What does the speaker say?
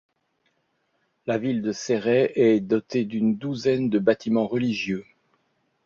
La ville de Céret est dotée d'une douzaine de bâtiments religieux.